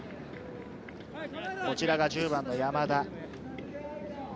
こちらが１０番の山田。